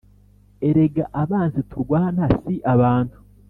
Erega abanzi turwana si abantu,